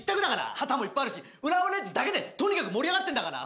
旗もいっぱいあるし浦和レッズだけでとにかく盛り上がってんだから。